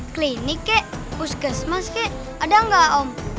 klinik kek puskesmas kek ada nggak om